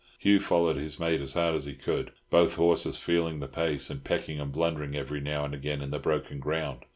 Hugh followed his mate as hard as he could, both horses feeling the pace, and pecking and blundering every now and again in the broken ground.